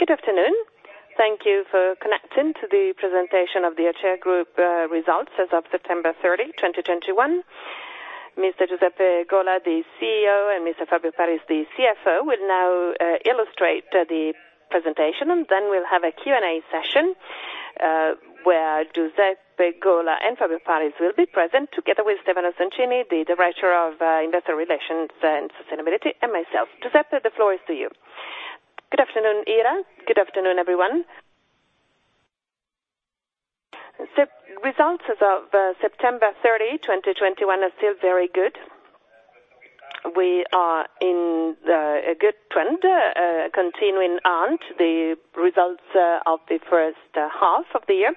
Good afternoon. Thank you for connecting to the presentation of the Acea Group results as of September 30, 2021. Mr. Giuseppe Gola, the CEO, and Mr. Fabio Paris, the CFO, will now illustrate the presentation, and then we'll have a Q&A session where Giuseppe Gola and Fabio Paris will be present together with Stefano Songini, the Director of Investor Relations and Sustainability, and myself. Giuseppe, the floor is to you. Good afternoon, Ira. Good afternoon, everyone. The results as of September 30, 2021 are still very good. We are in a good trend continuing on the results of the first half of the year.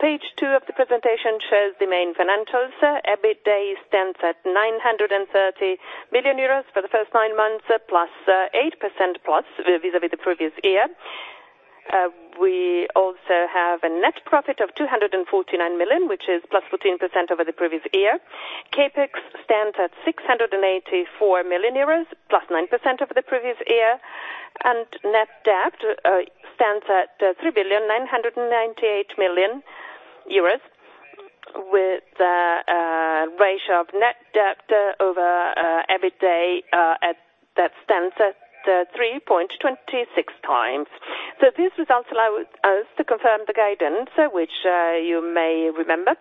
Page two of the presentation shows the main financials. EBITDA stands at 930 million euros for the first nine months, +8% vis-a-vis the previous year. We also have a net profit of 249 million, which is +14% over the previous year. CapEx stands at 684 million euros, +9% over the previous year. Net debt stands at 3.998 billion, with a ratio of net debt over EBITDA at 3.26x. These results allow us to confirm the guidance, which you may remember.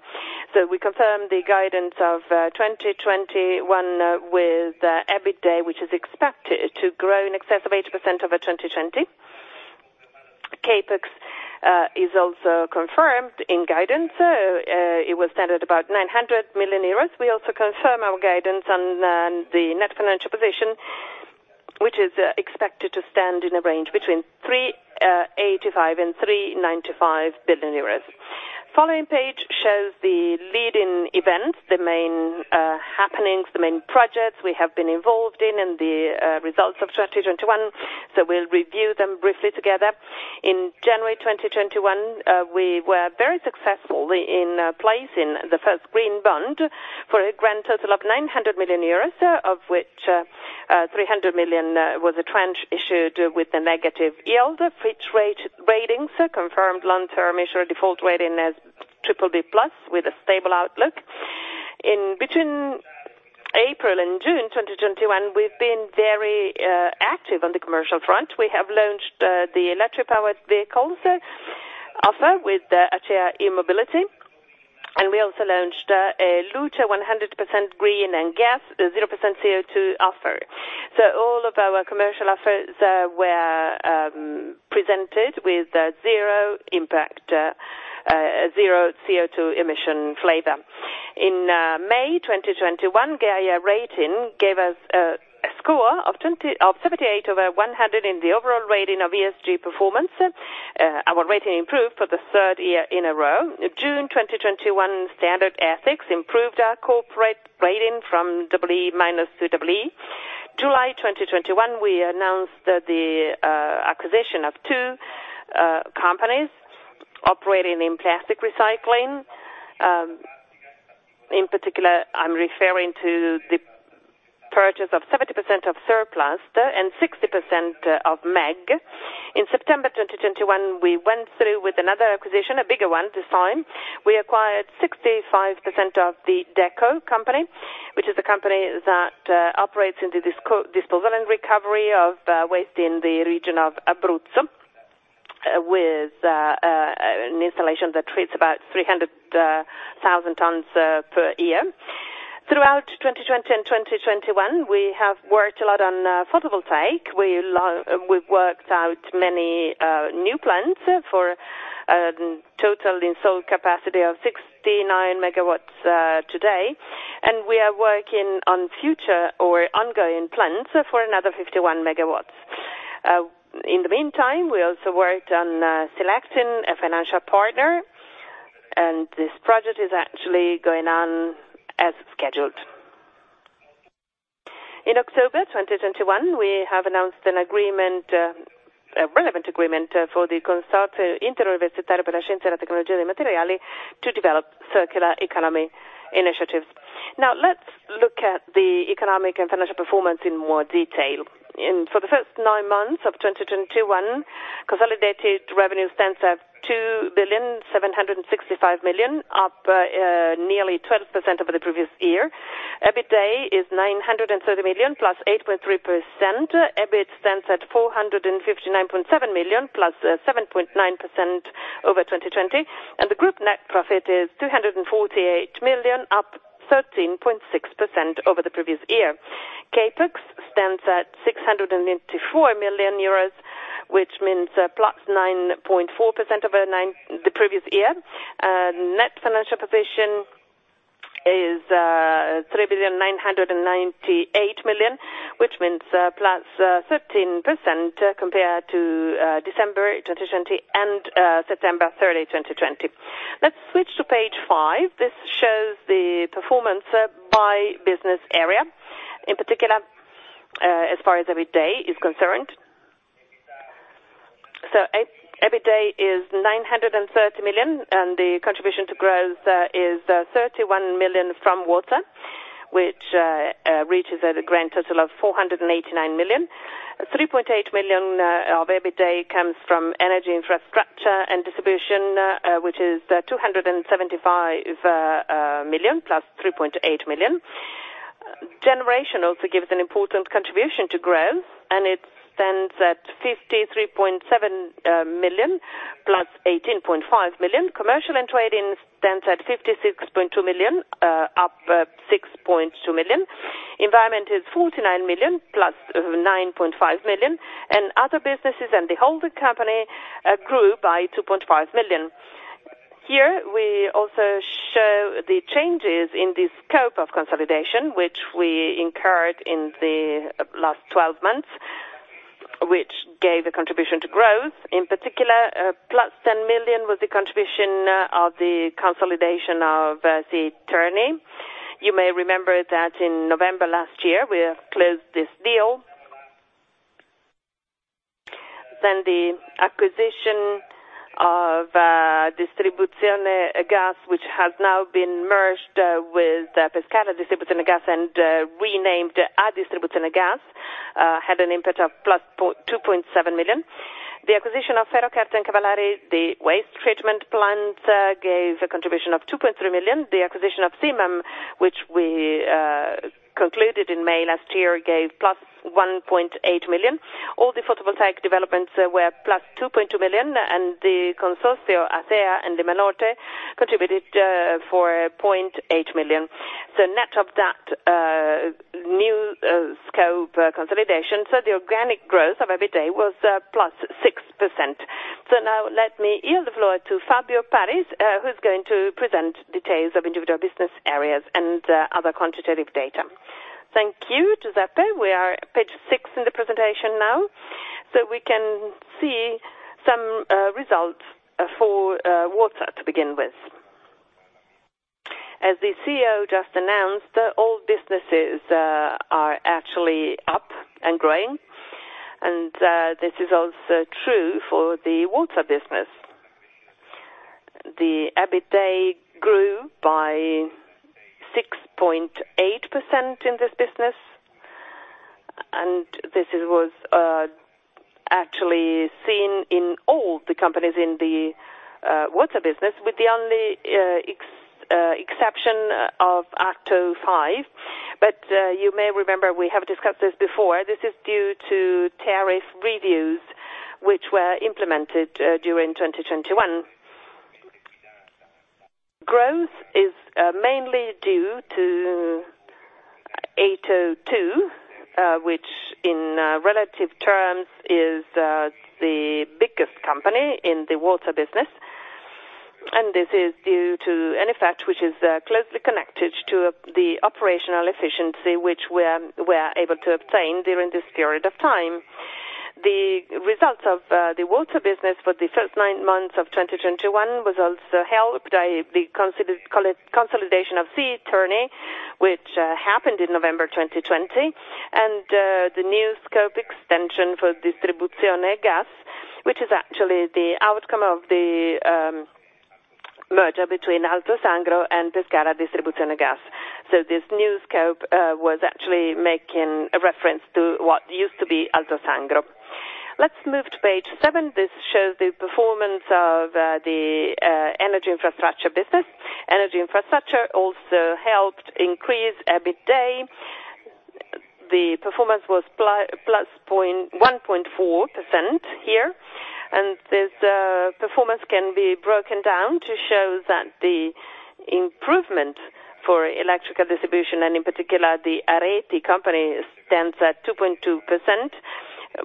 We confirm the guidance of 2021 with EBITDA, which is expected to grow in excess of 80% over 2020. CapEx is also confirmed in guidance. It was set at about 900 million euros. We also confirm our guidance on the net financial position, which is expected to stand in a range between 3.85 billion euros and EUR 3.95 billion. Following page shows the leading events, the main happenings, the main projects we have been involved in and the results of 2021. We'll review them briefly together. In January 2021, we were very successful in placing the first Green Bond for a grand total of 900 million euros, of which 300 million was a tranche issued with a negative yield. Fitch Ratings confirmed long-term issuer default rating as BBB+ with a stable outlook. In between April and June 2021, we've been very active on the commercial front. We have launched the electric-powered vehicles offer with Acea e-mobility, and we also launched a Luce 100% green and gas 0% CO2 offer. All of our commercial offers were presented with a zero impact, zero CO2 emission flavor. In May 2021, Gaïa Rating gave us a score of 78 over 100 in the overall rating of ESG performance. Our rating improved for the third year in a row. June 2021, Standard Ethics improved our corporate rating from EE- to EE. July 2021, we announced the acquisition of two companies operating in plastic recycling. In particular, I'm referring to the purchase of 70% of Serplast and 60% of MEG. In September 2021, we went through with another acquisition, a bigger one this time. We acquired 65% of the Deco company, which is a company that operates in the disposal and recovery of waste in the region of Abruzzo, with an installation that treats about 300,000 tons per year. Throughout 2020 and 2021, we have worked a lot on photovoltaic. We've worked out many new plants for total installed capacity of 69 MW today, and we are working on future or ongoing plants for another 51 MW. In the meantime, we also worked on selecting a financial partner, and this project is actually going on as scheduled. In October 2021, we have announced an agreement, a relevant agreement for the Consorzio Interuniversitario Nazionale per la Scienza e Tecnologia dei Materiali to develop circular economy initiatives. Now, let's look at the economic and financial performance in more detail. For the first nine months of 2021, consolidated revenue stands at 2,765 million, up nearly 12% over the previous year. EBITDA is 930 million, +8.3%. EBIT stands at 459.7 million, +7.9% over 2020. The group net profit is 248 million, up 13.6% over the previous year. CapEx stands at 684 million euros, which means +9.4% over the previous year. Net financial position is 3,998 million, which means +13% compared to December 2020 and September 30, 2020. Let's switch to page five. This shows the performance by business area, in particular, as far as EBITDA is concerned. EBITDA is 930 million, and the contribution to growth is 31 million from water, which reaches at a grand total of 489 million. 3.8 million of EBITDA comes from energy infrastructure and distribution, which is 275 million + 3.8 million. Generation also gives an important contribution to growth, and it stands at 53.7 million + 18.5 million. Commercial and trading stands at 56.2 million, up 6.2 million. Environment is 49 million + 9.5 million. Other businesses and the holding company grew by 2.5 million. Here, we also show the changes in the scope of consolidation which we incurred in the last 12 months, which gave a contribution to growth. In particular, +10 million was the contribution of the consolidation of SII Terni. You may remember that in November last year, we have closed this deal. The acquisition of Distribuzione Gas, which has now been merged with Pescara Distribuzione Gas and renamed Adistribuzionegas, had an impact of +2.7 million. The acquisition of Ferrocart and Cavallari, the waste treatment plant, gave a contribution of 2.3 million. The acquisition of SIMAM, which we concluded in May last year, gave +1.8 million. All the photovoltaic developments were +2.2 million, and the Consorcio Acea and Lima Norte contributed 0.8 million. Net of that new scope consolidation, the organic growth of EBITDA was +6%. Now let me yield the floor to Fabio Paris, who's going to present details of individual business areas and other quantitative data. Thank you, Giuseppe. We are at page six in the presentation now, so we can see some results for water to begin with. As the CEO just announced, all businesses are actually up and growing, and this is also true for the water business. The EBITDA grew by 6.8% in this business, and this was actually seen in all the companies in the water business, with the only exception of Ato 5. You may remember we have discussed this before. This is due to tariff reviews which were implemented during 2021. Growth is mainly due to Ato 2, which in relative terms is the biggest company in the water business. This is due to an effect which is closely connected to the operational efficiency which we are able to obtain during this period of time. The results of the water business for the first nine months of 2021 was also helped by the consolidation of SII Terni, which happened in November 2020, and the new scope extension for Distribuzione Gas, which is actually the outcome of the merger between Alto Sangro and Pescara Distribuzione Gas. This new scope was actually making a reference to what used to be Alto Sangro. Let's move to page seven. This shows the performance of the energy infrastructure business. Energy infrastructure also helped increase EBITDA. The performance was +1.4% here, and this performance can be broken down to show that the improvement for electrical distribution, and in particular, the Areti company, stands at 2.2%.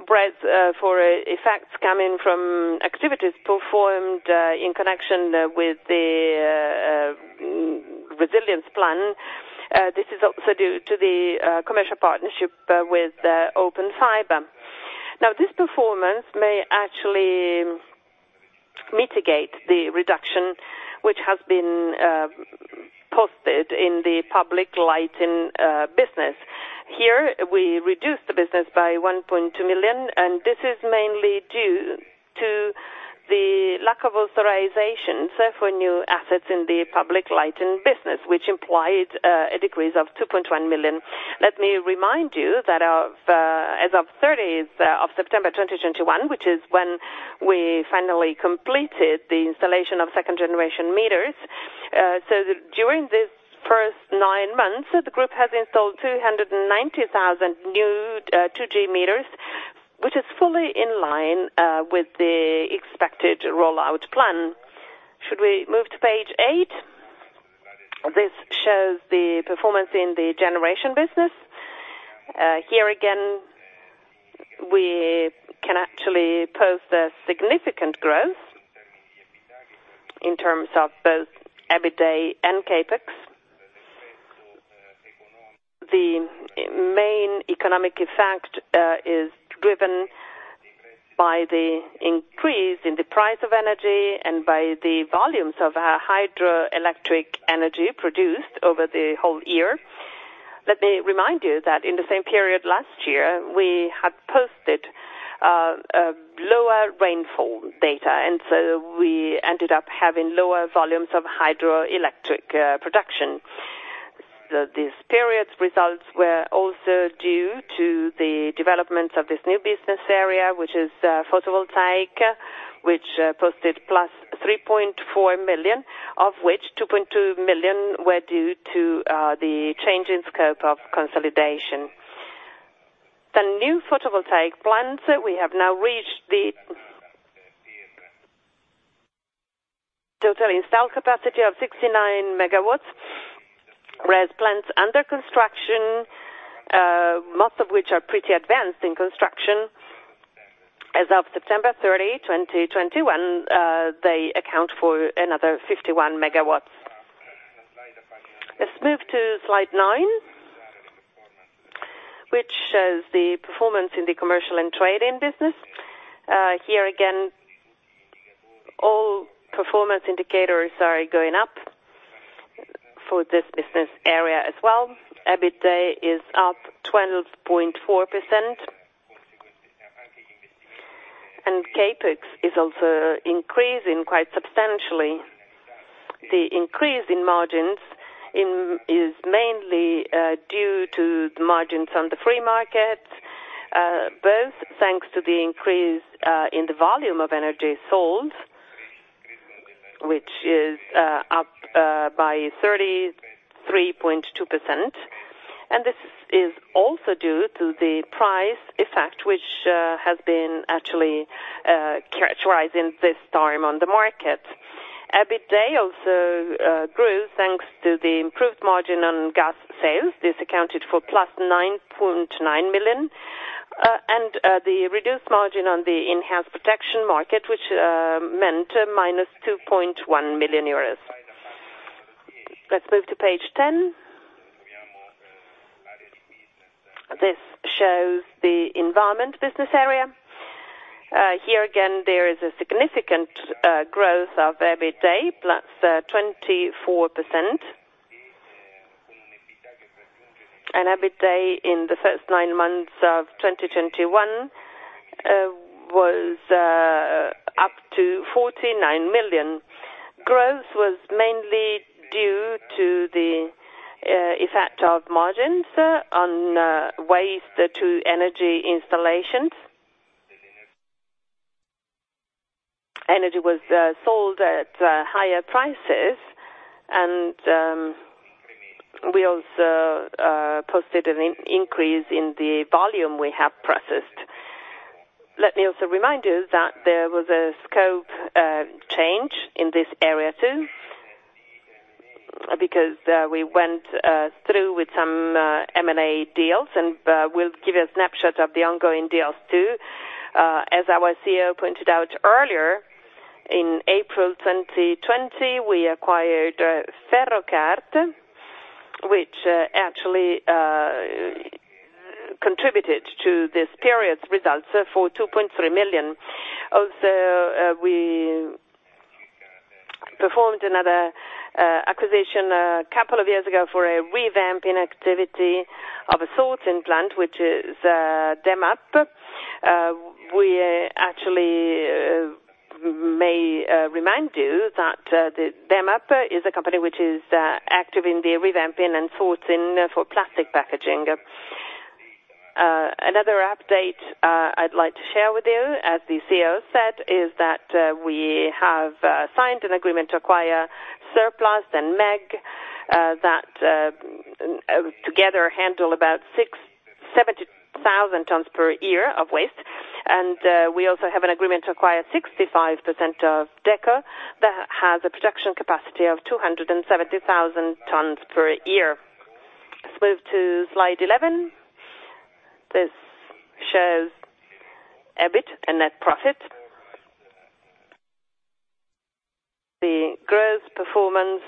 Whereas, for effects coming from activities performed in connection with the resilience plan, this is also due to the commercial partnership with Open Fiber. Now, this performance may actually mitigate the reduction which has been posted in the public lighting business. Here, we reduced the business by 1.2 million, and this is mainly due to the lack of authorization for new assets in the public lighting business, which implied a decrease of 2.1 million. Let me remind you that, as of 30th September 2021, which is when we finally completed the installation of second-generation meters, during the first nine months, the group has installed 290,000 new 2G meters, which is fully in line with the expected rollout plan. Should we move to page eight? This shows the performance in the generation business. Here again, we can actually post a significant growth in terms of both EBITDA and CapEx. The main economic effect is driven by the increase in the price of energy and by the volumes of hydroelectric energy produced over the whole year. Let me remind you that in the same period last year, we had posted a lower rainfall data, and so we ended up having lower volumes of hydroelectric production. This period's results were also due to the developments of this new business area, which is photovoltaic, which posted +3.4 million, of which 2.2 million were due to the change in scope of consolidation. The new photovoltaic plants, we have now reached the total installed capacity of 69 MW. Whereas plants under construction, most of which are pretty advanced in construction. As of September 30, 2021, they account for another 51 MW. Let's move to slide nine, which shows the performance in the commercial and trading business. Here again, all performance indicators are going up for this business area as well. EBITDA is up 12.4%. CapEx is also increasing quite substantially. The increase in margins is mainly due to the margins on the free market, both thanks to the increase in the volume of energy sold, which is up by 33.2%. This is also due to the price effect, which has been actually characterizing this time on the market. EBITDA also grew thanks to the improved margin on gas sales. This accounted for +9.9 million. The reduced margin on the enhanced protection market, which meant -2.1 million euros. Let's move to page 10. This shows the environment business area. Here again, there is a significant growth of EBITDA, +24%. EBITDA in the first nine months of 2021 was up to 49 million. Growth was mainly due to the effect of margins on waste-to-energy installations. Energy was sold at higher prices, and we also posted an increase in the volume we have processed. Let me also remind you that there was a scope change in this area, too, because we went through with some M&A deals, and we'll give you a snapshot of the ongoing deals, too. As our CEO pointed out earlier, in April 2020, we acquired Ferrocart, which actually contributed to this period's results for 2.3 million. Also, we performed another acquisition a couple of years ago for a revamping activity of a sorting plant, which is Demap. We actually may remind you that Demap is a company which is active in the revamping and sorting for plastic packaging. Another update I'd like to share with you, as the CEO said, is that we have signed an agreement to acquire Serplast and MEG that together handle about 67,000 tons per year of waste. We also have an agreement to acquire 65% of Deco that has a production capacity of 270,000 tons per year. Let's move to slide eleven. This shows EBIT and net profit. The growth performance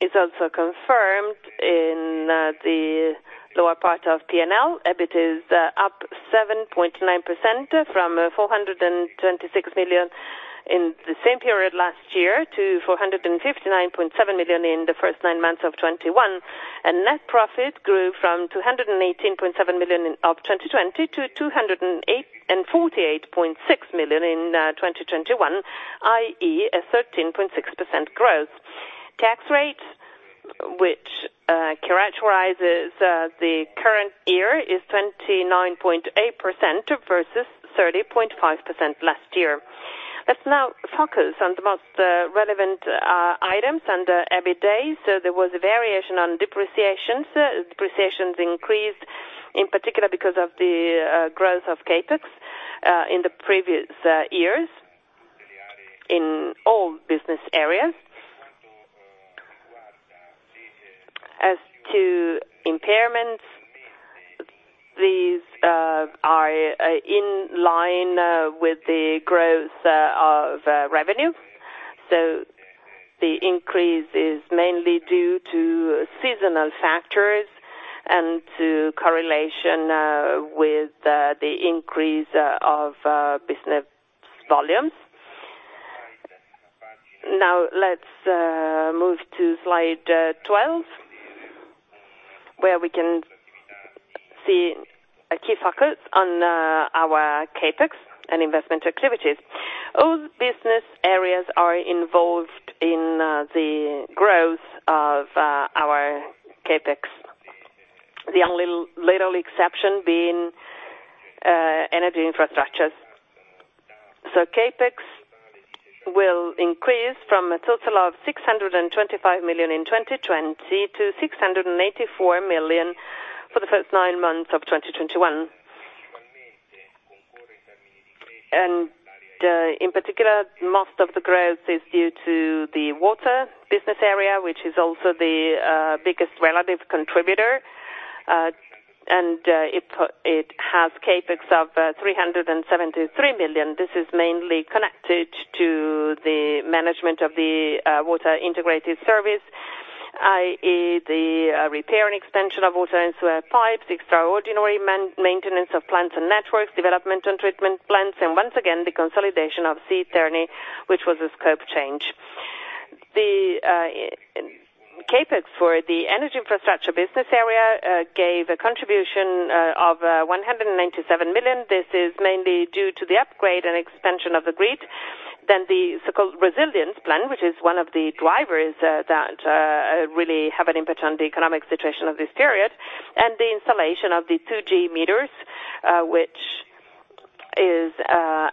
is also confirmed in the lower part of P&L. EBIT is up 7.9% from 426 million in the same period last year to 459.7 million in the first nine months of 2021. Net profit grew from 218.7 million in 2020 to 248.6 million in 2021, i.e., a 13.6% growth. Tax rate, which characterizes the current year, is 29.8% versus 30.5% last year. Let's now focus on the most relevant items under EBITDA. There was a variation on depreciations. Depreciations increased, in particular because of the growth of CapEx in the previous years in all business areas. As to impairments, these are in line with the growth of revenue. The increase is mainly due to seasonal factors and to correlation with the increase of business volumes. Now let's move to slide 12, where we can see a key focus on our CapEx and investment activities. All business areas are involved in the growth of our CapEx. The only literal exception being energy infrastructures. CapEx will increase from a total of 625 million in 2020 to 684 million for the first nine months of 2021. In particular, most of the growth is due to the water business area, which is also the biggest relative contributor. It has CapEx of 373 million. This is mainly connected to the management of the water integrated service, i.e. the repair and extension of water and sewer pipes, the extraordinary maintenance of plants and networks, development and treatment plants, and once again, the consolidation of SII Terni, which was a scope change. The CapEx for the energy infrastructure business area gave a contribution of 197 million. This is mainly due to the upgrade and expansion of the grid, then the so-called resilience plan, which is one of the drivers that really have an impact on the economic situation of this period, and the installation of the 2G meters, which is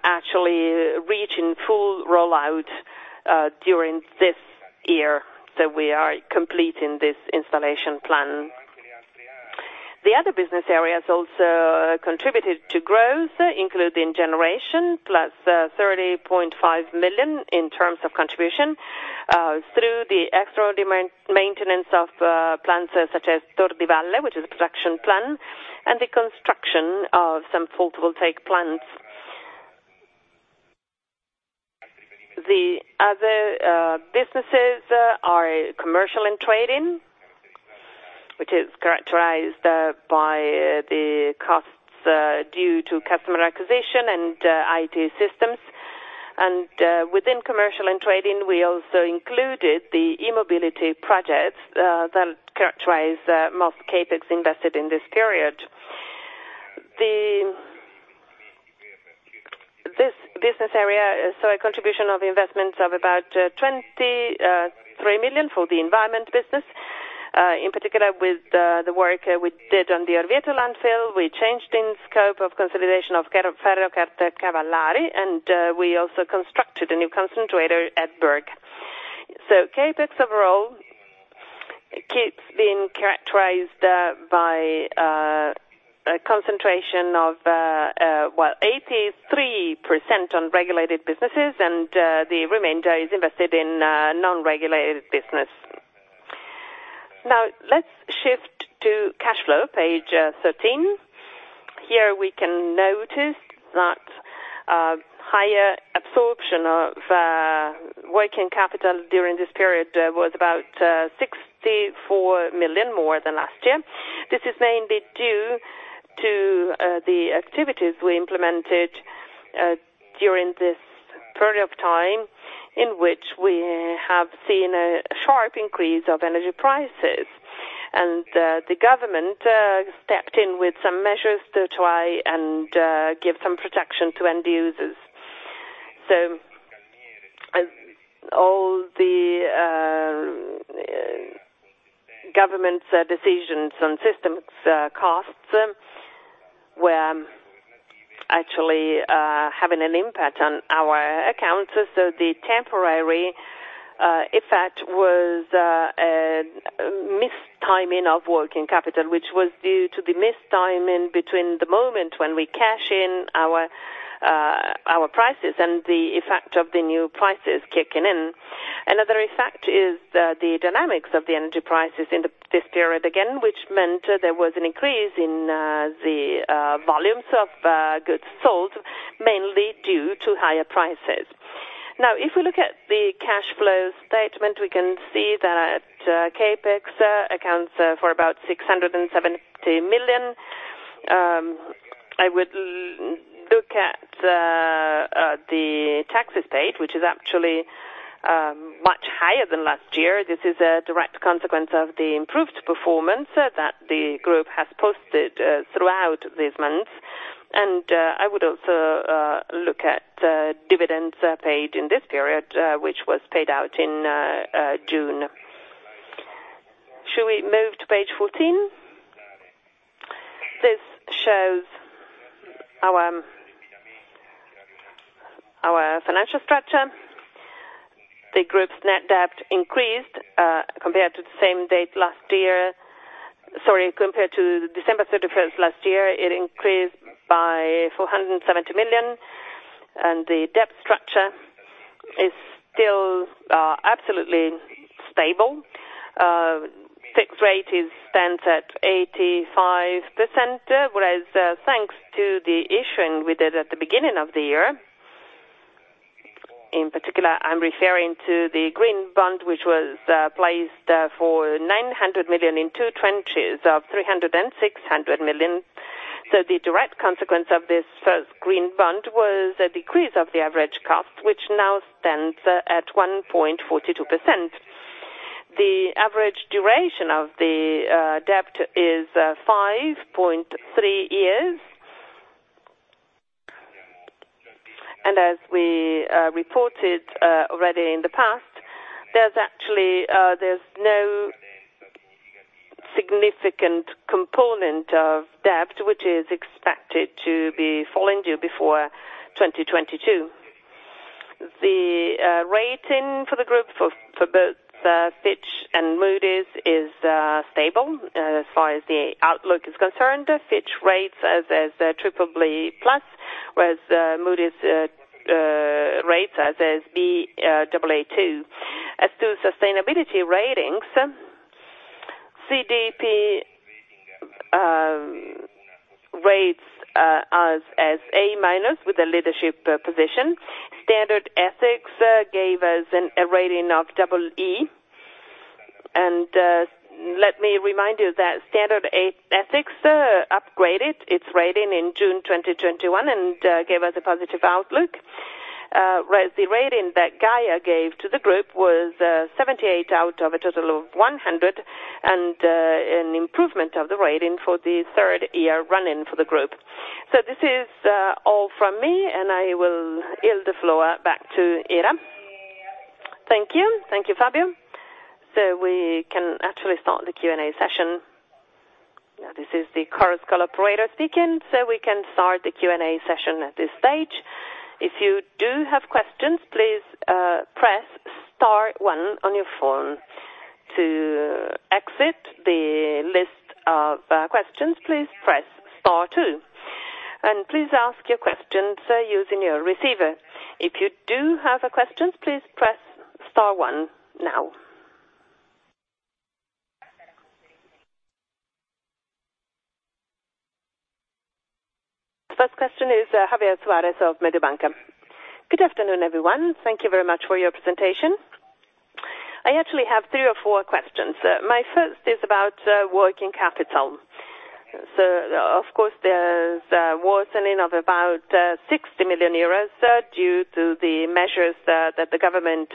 actually reaching full rollout during this year that we are completing this installation plan. The other business areas also contributed to growth, including generation, +30.5 million in terms of contribution through the extraordinary maintenance of plants such as Tor di Valle, which is a production plant, and the construction of some photovoltaic plants. The other businesses are commercial and trading, which is characterized by the costs due to customer acquisition and IT systems. Within commercial and trading, we also included the e-mobility projects that characterize most CapEx invested in this period. This business area saw a contribution of investments of about 23 million for the environment business, in particular with the work we did on the Orvieto landfill. We changed in scope of consolidation of Ferrocart and Cavallari, and we also constructed a new concentrator at Berg. CapEx overall keeps being characterized by a concentration of, well, 83% on regulated businesses, and the remainder is invested in non-regulated business. Now let's shift to cash flow, page 13. Here we can notice that higher absorption of working capital during this period was about 64 million more than last year. This is mainly due to the activities we implemented during this period of time, in which we have seen a sharp increase of energy prices. The government stepped in with some measures to try and give some protection to end users. All the government decisions on systems costs were actually having an impact on our accounts. The temporary effect was a mistiming of working capital, which was due to the mistiming between the moment when we cash in our prices and the effect of the new prices kicking in. Another effect is the dynamics of the energy prices in this period again, which meant there was an increase in the volumes of goods sold, mainly due to higher prices. Now, if we look at the cash flow statement, we can see that CapEx accounts for about 670 million. I would look at the taxes paid, which is actually much higher than last year. This is a direct consequence of the improved performance that the group has posted throughout these months. I would also look at dividends paid in this period, which was paid out in June. Shall we move to page 14? This shows our financial structure. The group's net debt increased compared to the same date last year. Sorry, compared to December 31st last year, it increased by 470 million, and the debt structure is still absolutely stable. Fixed rate stands at 85%, whereas thanks to the issuing we did at the beginning of the year, in particular, I'm referring to the Green Bond, which was placed for 900 million in two tranches of 300 million and 600 million. The direct consequence of this first Green Bond was a decrease of the average cost, which now stands at 1.42%. The average duration of the debt is 5.3 years. As we reported already in the past, there's actually no significant component of debt which is expected to be falling due before 2022. The rating for the group for both Fitch and Moody's is stable. As far as the outlook is concerned, Fitch rates us as BBB+, whereas Moody's rates us as Baa2. As to sustainability ratings, CDP rates us as A- with a leadership position. Standard Ethics gave us a rating of EE. Let me remind you that Standard Ethics upgraded its rating in June 2021 and gave us a positive outlook. Whereas the rating that Gaïa gave to the group was 78 out of a total of 100, and an improvement of the rating for the third year running for the group. This is all from me, and I will yield the floor back to Ira. Thank you. Thank you, Fabio. We can actually start the Q&A session. Yeah, this is the Chorus call operator speaking. We can start the Q&A session at this stage. If you do have questions, please, press star one on your phone. To exit the list of questions, please press star two. Please ask your questions using your receiver. If you do have a question, please press star one now. First question is Javier Suarez of Mediobanca. Good afternoon, everyone. Thank you very much for your presentation. I actually have three or four questions. My first is about working capital. Of course, there's a worsening of about 60 million euros due to the measures that the government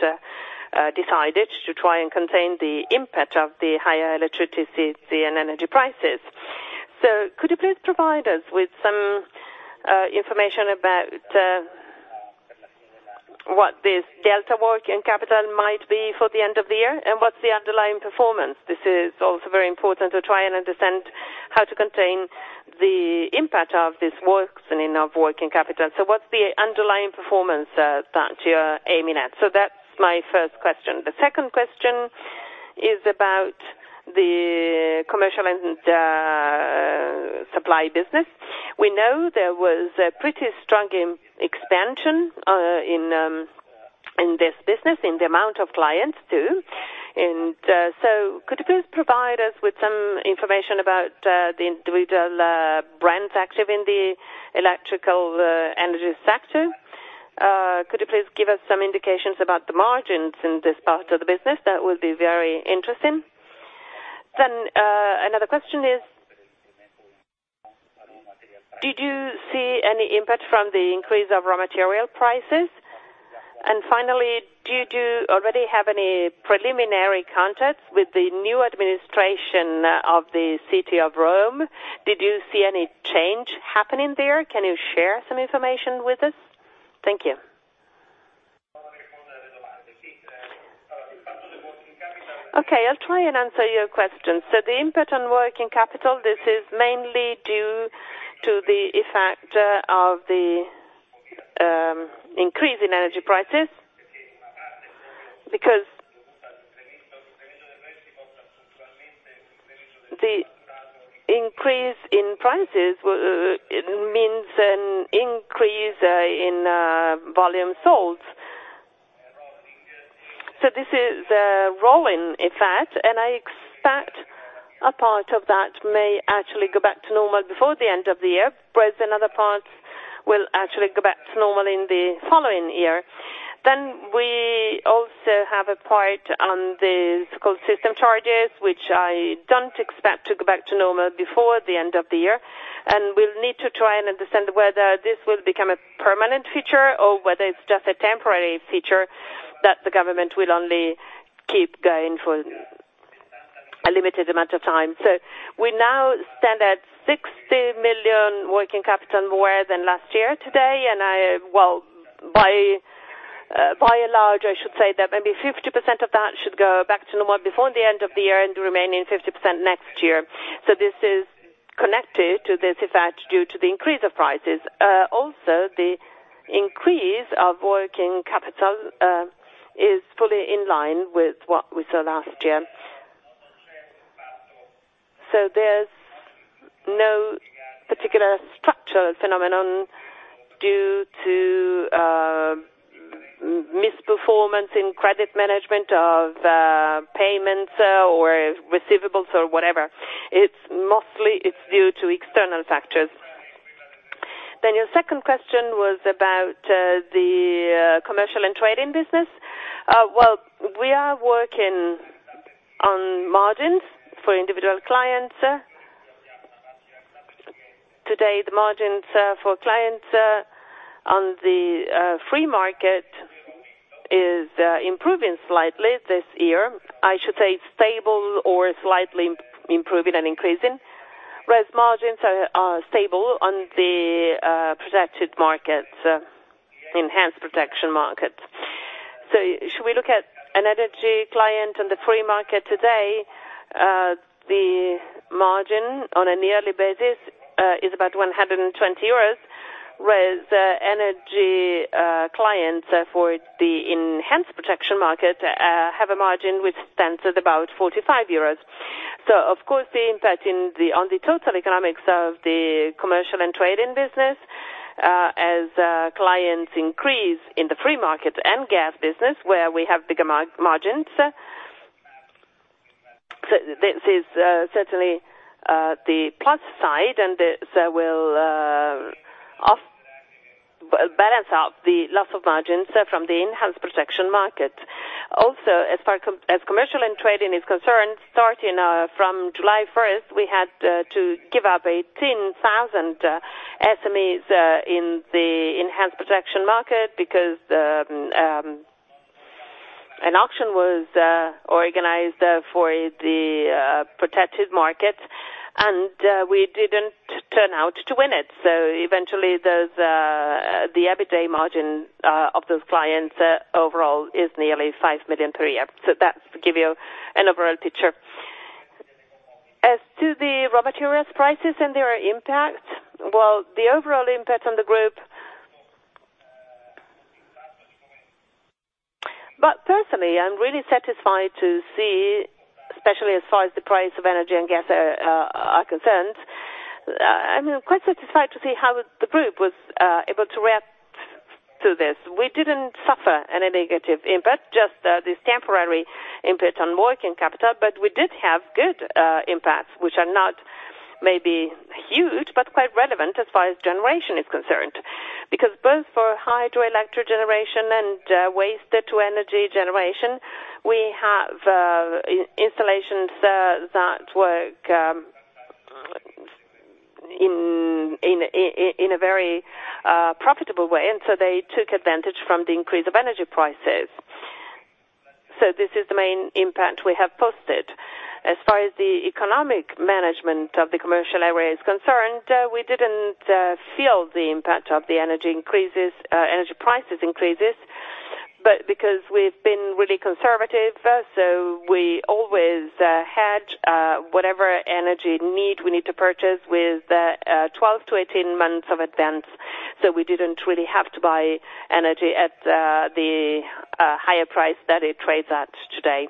decided to try and contain the impact of the higher electricity and energy prices. Could you please provide us with some information about what this delta working capital might be for the end of the year, and what's the underlying performance? This is also very important to try and understand how to contain the impact of this worsening of working capital. What's the underlying performance that you're aiming at? That's my first question. The second question is about the commercial and supply business. We know there was a pretty strong expansion in this business, in the amount of clients, too. Could you please provide us with some information about the individual brands active in the electrical energy sector? Could you please give us some indications about the margins in this part of the business? That would be very interesting. Another question is, did you see any impact from the increase of raw material prices? Finally, do you already have any preliminary contacts with the new administration of the city of Rome? Did you see any change happening there? Can you share some information with us? Thank you. Okay, I'll try and answer your questions. The impact on working capital, this is mainly due to the effect of the increase in energy prices. Because the increase in prices means an increase in volume sold. This is a rolling effect, and I expect a part of that may actually go back to normal before the end of the year, whereas another part will actually go back to normal in the following year. We also have a part on the so-called system charges, which I don't expect to go back to normal before the end of the year. We'll need to try and understand whether this will become a permanent feature or whether it's just a temporary feature that the government will only keep going for a limited amount of time. We now stand at 60 million working capital more than last year today, and I well, by and large, I should say that maybe 50% of that should go back to normal before the end of the year and the remaining 50% next year. This is connected to this effect due to the increase of prices. Also, the increase of working capital is fully in line with what we saw last year. There's no particular structural phenomenon due to nonperformance in credit management of payments or receivables or whatever. It's mostly due to external factors. Your second question was about the commercial and trading business. We are working on margins for individual clients. Today, the margins for clients on the free market are improving slightly this year. I should say stable or slightly improving and increasing, whereas margins are stable on the protected markets, enhanced protection markets. Should we look at an energy client on the free market today, the margin on a yearly basis is about 120 euros, whereas energy clients for the enhanced protection market have a margin which stands at about 45 euros. Of course the impact on the total economics of the commercial and trading business, as clients increase in the free market and gas business where we have bigger margins. This is certainly the plus side, and this will balance out the loss of margins from the enhanced protection market. Also as far as commercial and trading is concerned, starting from July 1st, we had to give up 18,000 SMEs in the enhanced protection market because an auction was organized for the protected market, and we didn't turn out to win it. Eventually the EBITDA margin of those clients overall is nearly 5 million per year. That give you an overall picture. As to the raw materials prices and their impact, well, the overall impact on the group. Personally, I'm really satisfied to see, especially as far as the price of energy and gas are concerned, I'm quite satisfied to see how the group was able to react to this. We didn't suffer any negative impact, just this temporary impact on working capital. We did have good impacts, which are not maybe huge, but quite relevant as far as generation is concerned. Because both for hydroelectric generation and waste-to-energy generation, we have installations that work in a very profitable way, and so they took advantage from the increase of energy prices. This is the main impact we have posted. As far as the economic management of the commercial area is concerned, we didn't feel the impact of the energy price increases. Because we've been really conservative, so we always hedge whatever energy we need to purchase with 12-18 months of advance. We didn't really have to buy energy at the higher price that it trades at today.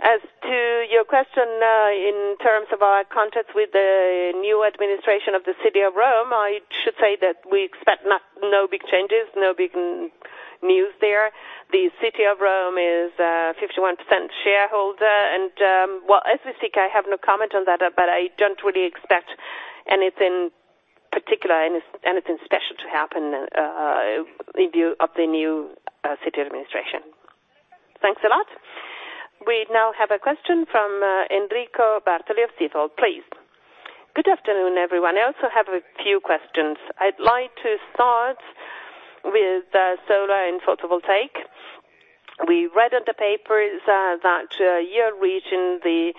As to your question, in terms of our contacts with the new administration of the City of Rome, I should say that we expect no big changes, no big news there. The City of Rome is a 51% shareholder, and, well, as you think, I have no comment on that, but I don't really expect anything particular, anything special to happen in view of the new city administration. Thanks a lot. We now have a question from Enrico Bartoli of Stifel, please. Good afternoon, everyone. I also have a few questions. I'd like to start with solar and photovoltaic. We read in the papers that you're reaching the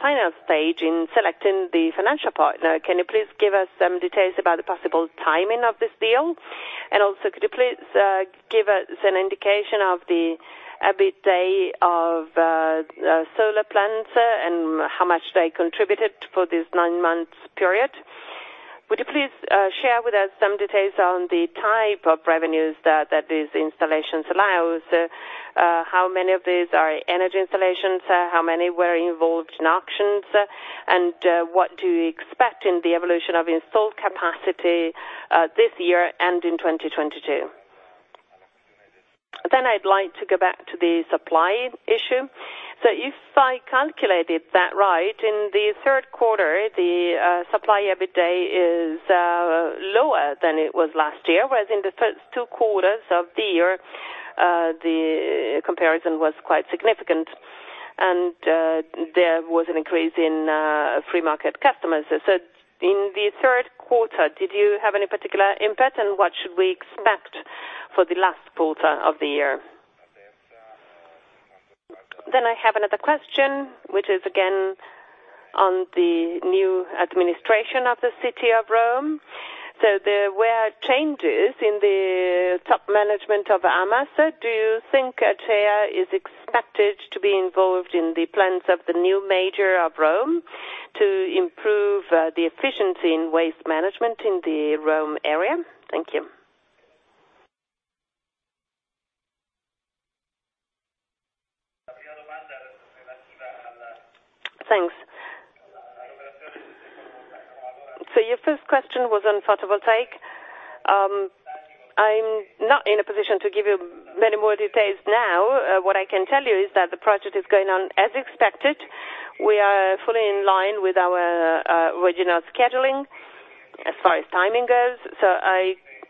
finance stage in selecting the financial partner. Can you please give us some details about the possible timing of this deal? Also, could you please give us an indication of the EBITDA of solar plants and how much they contributed for this nine-month period? Would you please share with us some details on the type of revenues that these installations allows? How many of these are energy installations? How many were involved in auctions? What do you expect in the evolution of installed capacity this year and in 2022? I'd like to go back to the supply issue. If I calculated that right, in the third quarter, the supply EBITDA is lower than it was last year. Whereas in the first two quarters of the year, the comparison was quite significant. There was an increase in free market customers. In the third quarter, did you have any particular impact? What should we expect for the last quarter of the year? I have another question, which is again on the new administration of the City of Rome. There were changes in the top management of AMA. Do you think Acea is expected to be involved in the plans of the new mayor of Rome to improve the efficiency in waste management in the Rome area? Thank you. Thanks. Your first question was on photovoltaic. I'm not in a position to give you many more details now. What I can tell you is that the project is going on as expected. We are fully in line with our original scheduling as far as timing goes.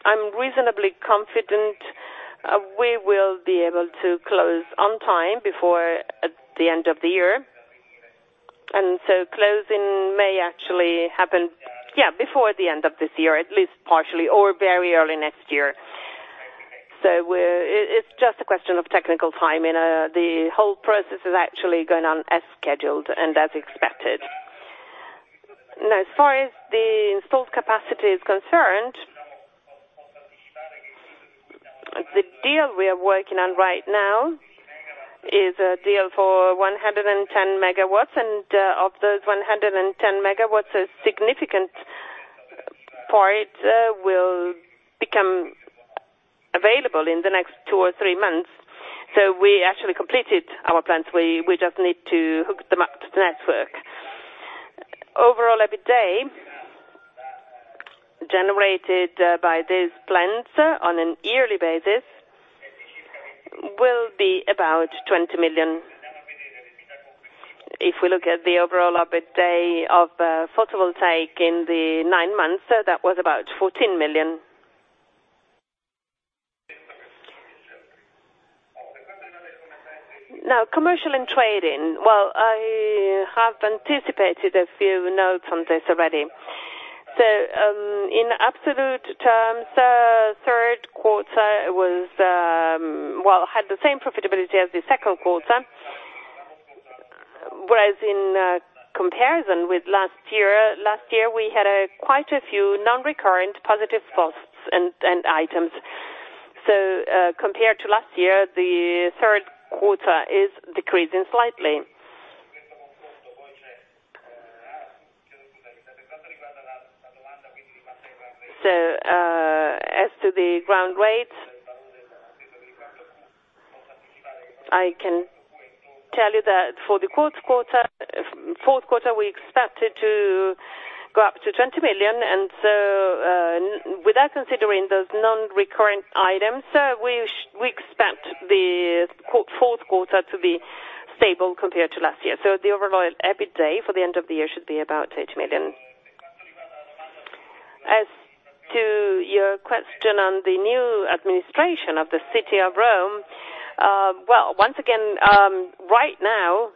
I'm reasonably confident we will be able to close on time before, at the end of the year. Closing may actually happen, yeah, before the end of this year, at least partially or very early next year. We're—it's just a question of technical timing. The whole process is actually going on as scheduled and as expected. Now, as far as the installed capacity is concerned, the deal we are working on right now is a deal for 110 MW, and of those 110 MW, a significant part will become available in the next two or three months. We actually completed our plants. We just need to hook them up to the network. Overall, EBITDA generated by these plants on a yearly basis will be about 20 million. If we look at the overall EBITDA of photovoltaic in the nine months, that was about 14 million. Now, commercial and trading. Well, I have anticipated a few notes on this already. In absolute terms, third quarter was well, had the same profitability as the second quarter. In comparison with last year, we had quite a few non-recurrent positive costs and items. Compared to last year, the third quarter is decreasing slightly. As to the growth rates, I can tell you that for the fourth quarter, we expected to go up to 20 million. Without considering those non-recurrent items, we expect the fourth quarter to be stable compared to last year. The overall EBITDA for the end of the year should be about 8 million. As to your question on the new administration of the city of Rome, well, once again, right now,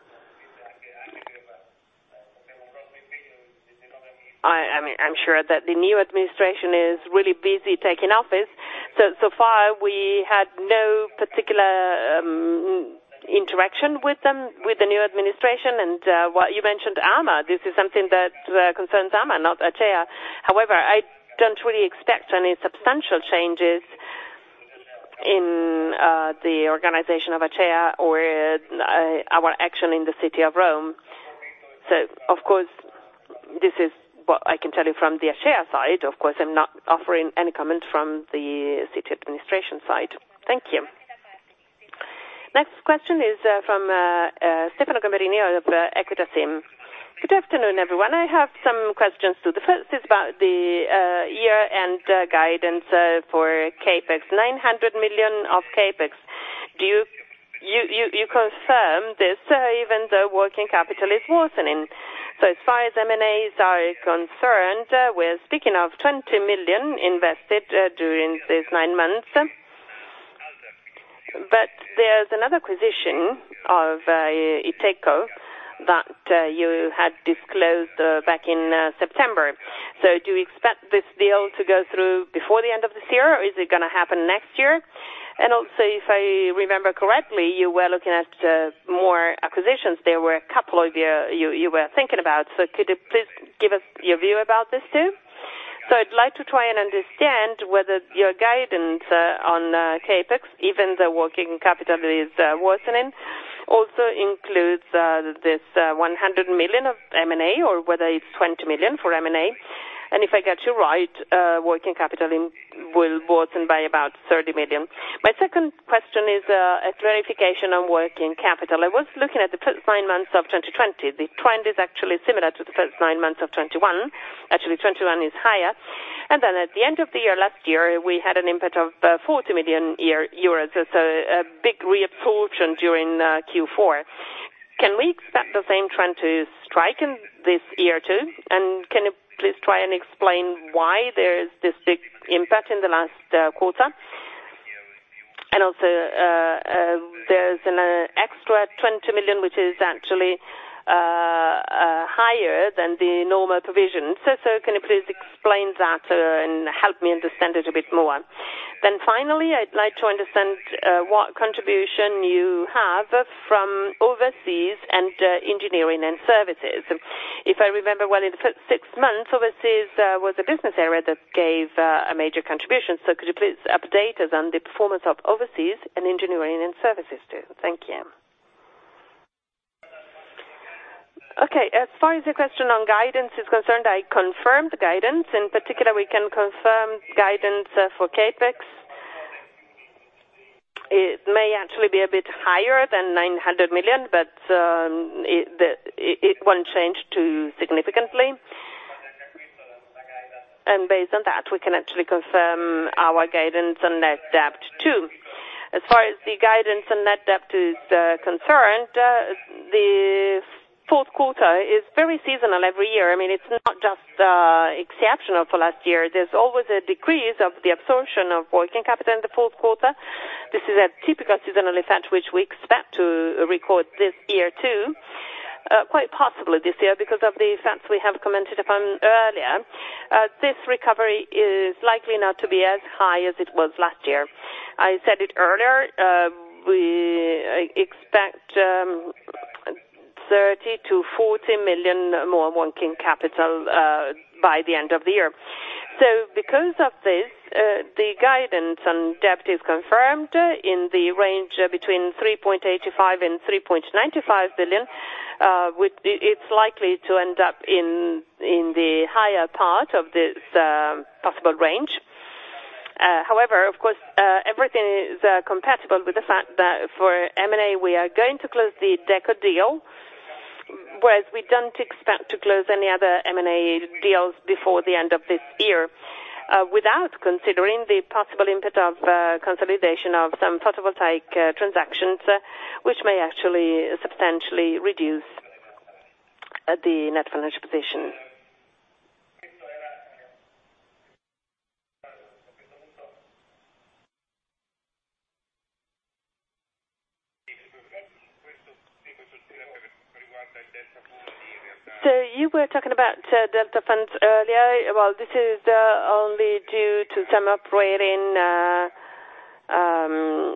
I mean, I'm sure that the new administration is really busy taking office. So far, we had no particular interaction with them, with the new administration. What you mentioned, AMA, this is something that concerns AMA, not Acea. However, I don't really expect any substantial changes in the organization of Acea or our action in the city of Rome. Of course, this is what I can tell you from the Acea side. Of course, I'm not offering any comments from the city administration side. Thank you. Next question is from Stefano Gamberini of Equita SIM. Good afternoon, everyone. I have some questions, too. The first is about the year-end guidance for CapEx, 900 million of CapEx. Do you confirm this even though working capital is worsening? As far as M&As are concerned, we're speaking of 20 million invested during these nine months. There's another acquisition of Deco that you had disclosed back in September. Do you expect this deal to go through before the end of this year, or is it gonna happen next year? Also, if I remember correctly, you were looking at more acquisitions. There were a couple of you were thinking about. Could you please give us your view about this, too? I'd like to try and understand whether your guidance on CapEx, even the working capital is worsening, also includes this 100 million of M&A or whether it's 20 million for M&A. If I got you right, working capital will worsen by about 30 million. My second question is a clarification on working capital. I was looking at the first nine months of 2020. The trend is actually similar to the first nine months of 2021. Actually, 2021 is higher. Then at the end of the year, last year, we had an impact of 40 million euros. A big reabsorption during Q4. Can we expect the same trend to strike in this year, too? Can you please try and explain why there is this big impact in the last quarter? Also, there's an extra 20 million, which is actually higher than the normal provision. Can you please explain that and help me understand it a bit more. Finally, I'd like to understand what contribution you have from overseas and engineering and services. If I remember well, in the first six months, overseas was a business area that gave a major contribution. Could you please update us on the performance of overseas and engineering and services, too? Thank you. Okay, as far as the question on guidance is concerned, I confirm the guidance. In particular, we can confirm guidance for CapEx. It may actually be a bit higher than 900 million, but it won't change too significantly. Based on that, we can actually confirm our guidance on net debt too. As far as the guidance on net debt is concerned, the fourth quarter is very seasonal every year. I mean, it's not just exceptional for last year. There's always a decrease of the absorption of working capital in the fourth quarter. This is a typical seasonal effect which we expect to record this year too. Quite possibly this year because of the effects we have commented upon earlier. This recovery is likely not to be as high as it was last year. I said it earlier, we expect 30 million-40 million more working capital by the end of the year. Because of this, the guidance on debt is confirmed in the range between 3.85 billion and 3.95 billion. It's likely to end up in the higher part of this possible range. However, of course, everything is compatible with the fact that for M&A, we are going to close the Deco deal, whereas we don't expect to close any other M&A deals before the end of this year. Without considering the possible impact of consolidation of some photovoltaic transactions, which may actually substantially reduce the net financial position. You were talking about delta funds earlier. Well, this is only due to some operating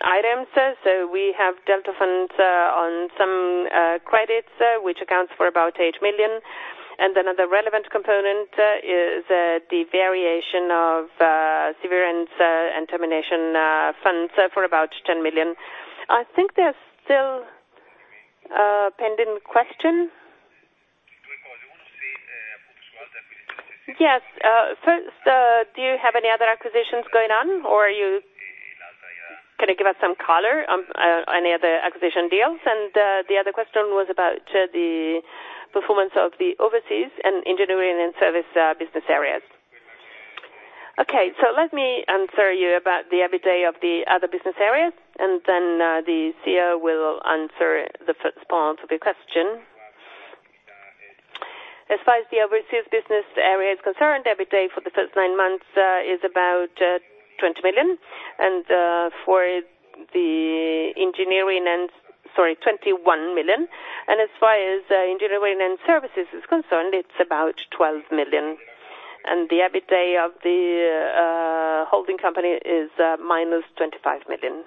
items. We have delta funds on some credits which accounts for about 8 million. Another relevant component is the variation of severance and termination funds for about 10 million. I think there's still a pending question. Yes. First, do you have any other acquisitions going on, or are you gonna give us some color on any other acquisition deals? The other question was about the performance of the overseas and engineering and service business areas. Okay. Let me answer you about the EBITDA of the other business areas, and then the CEO will answer the first part of your question. As far as the overseas business area is concerned, EBITDA for the first nine months is about EUR 21 million. For the engineering and services, it's about 12 million. The EBITDA of the holding company is -25 million.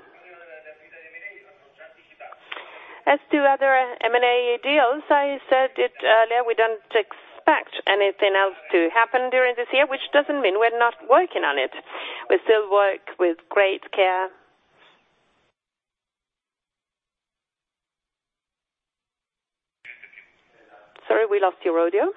As to other M&A deals, I said it earlier, we don't expect anything else to happen during this year, which doesn't mean we're not working on it. We still work with great care. Sorry, we lost your audio.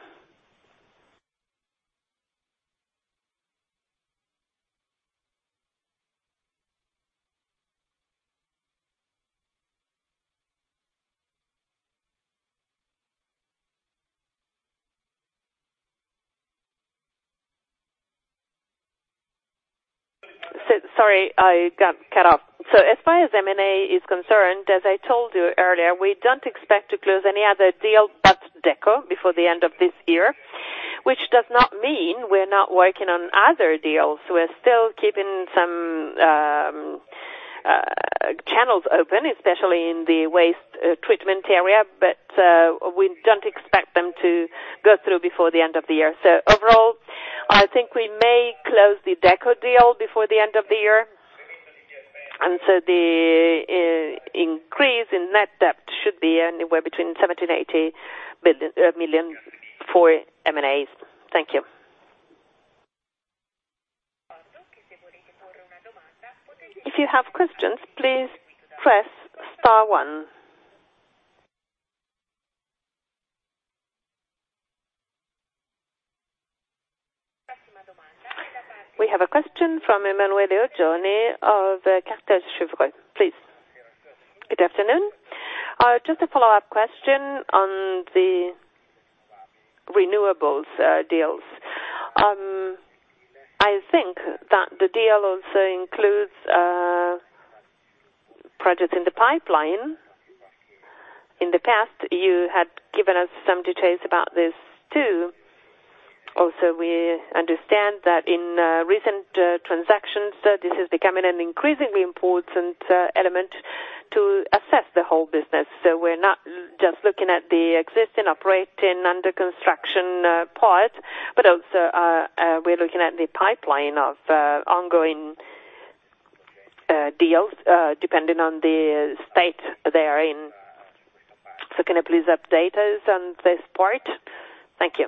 Sorry, I got cut off. As far as M&A is concerned, as I told you earlier, we don't expect to close any other deal but Deco before the end of this year, which does not mean we're not working on other deals. We're still keeping some channels open, especially in the waste treatment area, but we don't expect them to go through before the end of the year. Overall, I think we may close the Deco deal before the end of the year. The increase in net debt should be anywhere between 70 million and 80 million for M&As. Thank you. If you have questions, please press star one. We have a question from Emanuele Oggioni of Kepler Cheuvreux. Please. Good afternoon. Just a follow-up question on the renewables deals. I think that the deal also includes projects in the pipeline. In the past, you had given us some details about this too. Also, we understand that in recent transactions this is becoming an increasingly important element to assess the whole business. We're not just looking at the existing operating under construction part, but also we're looking at the pipeline of ongoing deals depending on the state they are in. Can you please update us on this part? Thank you.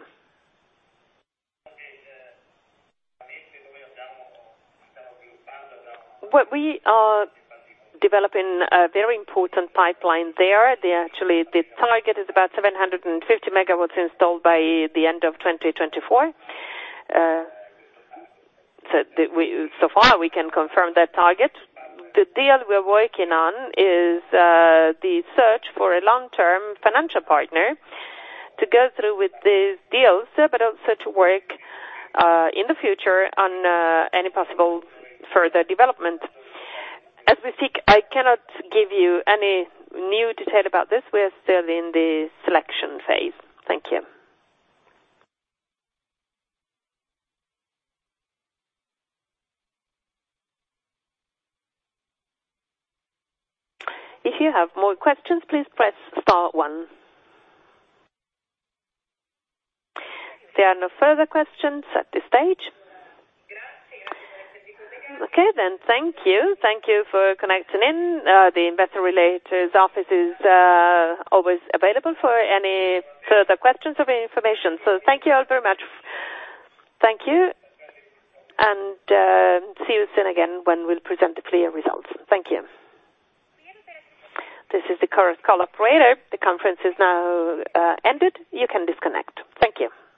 Well, we are developing a very important pipeline there. Actually, the target is about 750 MW installed by the end of 2024. So far, we can confirm that target. The deal we're working on is the search for a long-term financial partner to go through with these deals, but also to work in the future on any possible further development. As we speak, I cannot give you any new detail about this. We're still in the selection phase. Thank you. If you have more questions, please press star one. There are no further questions at this stage. Okay. Thank you. Thank you for connecting in. The investor relations office is always available for any further questions or any information. Thank you all very much. Thank you, and see you soon again when we'll present the clear results. Thank you. This is the conference call operator. The conference is now ended. You can disconnect. Thank you.